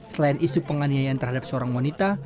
selain isu penganiayaan terhadap seorang wanita